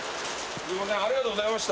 すみませんありがとうございました。